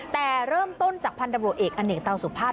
แต่เริ่มต้นจากพันธบรวจเอกอเนกเตาสุภาพ